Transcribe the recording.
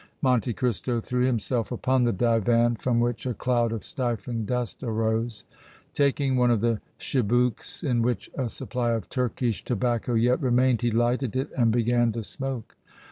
Monte Cristo threw himself upon the divan from which a cloud of stifling dust arose. Taking one of the chibouques in which a supply of Turkish tobacco yet remained, he lighted it and began to smoke.